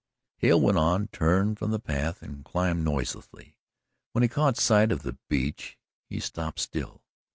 Hale went on, turned from the path and climbed noiselessly. When he caught sight of the beech he stopped still.